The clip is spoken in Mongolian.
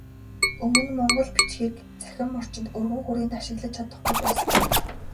Өмнө монгол бичгийг цахим орчинд өргөн хүрээнд ашиглаж чадахгүй байсан.